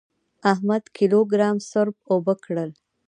احمد کيلو ګرام سروپ اوبه کړل.